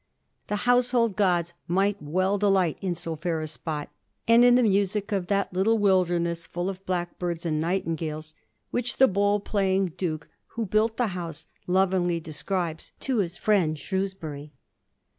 ^ The household gods might well delight in so fair a spot and in the music of that ^ little wilderness full of blackbirds and nightingales,' which the bowl playing Duke who built the house lovingly describes to his friend Shrewsbury.